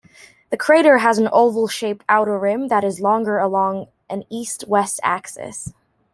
The crater has an oval-shaped outer rim that is longer along an east-west axis.